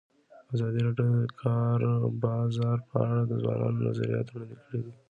ازادي راډیو د د کار بازار په اړه د ځوانانو نظریات وړاندې کړي.